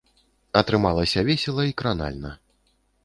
Атрымалася весела і кранальна.